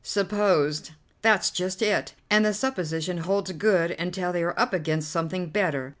"Supposed! That's just it, and the supposition holds good until they are up against something better.